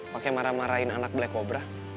pakai marah marahin anak black kobra